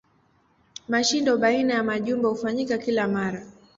Mashindano baina ya majumba hufanyika kila mara.